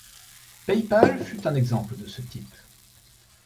PayPal fut un exemple de ce type.